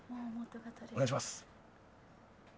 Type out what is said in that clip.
お願いします。